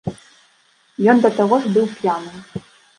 Ён да таго ж быў п'яным.